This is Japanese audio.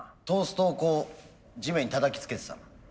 トーストをこう地面にたたきつけてたな。